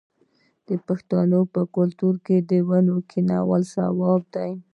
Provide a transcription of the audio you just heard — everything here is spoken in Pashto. د پښتنو په کلتور کې د ونو کینول ثواب دی.